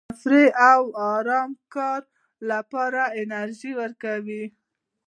تفریح او ارام د کار لپاره انرژي ورکوي.